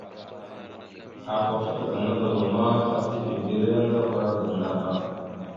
Afa fat ga madəva ma, fat ibibire aŋga ava ga Ŋgaba.